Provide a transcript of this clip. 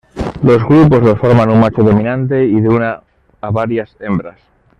Los grupos los forman un macho dominante y de una a varias hembras.